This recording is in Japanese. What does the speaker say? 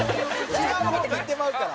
違う方にいってまうから」